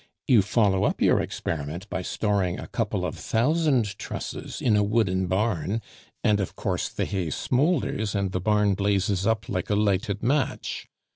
You follow up your experiment by storing a couple of thousand trusses in a wooden barn and, of course, the hay smoulders, and the barn blazes up like a lighted match.